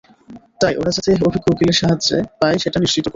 তাই ওরা যাতে অভিজ্ঞ উকিলের সাহায্য পায় সেটা নিশ্চিত করো।